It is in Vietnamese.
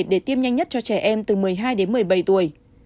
để tiêm nhanh nhất cho trẻ em từ một mươi hai đến một mươi bảy tuổi